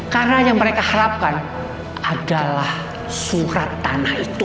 karena yang mereka harapkan adalah surat tanah itu